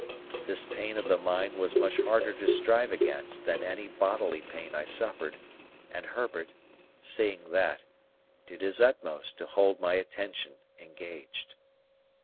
This pain of the mind was much harder to strive against than any bodily pain I suffered; and Herbert, seeing that, did his utmost to hold my attention engaged.